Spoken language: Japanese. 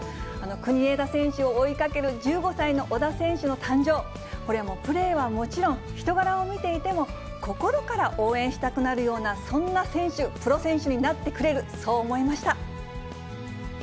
国枝選手を追いかける１５歳の小田選手の誕生、これ、プレーはもちろん、人柄を見ていても、心から応援したくなるような、そんな選手、プロ選手になってくれる、そう思いました。